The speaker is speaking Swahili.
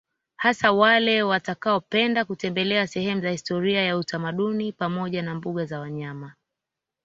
Hasa wale watakaopenda kutembelea sehemu za historia ya utamaduni pamoja na mbuga za wanyama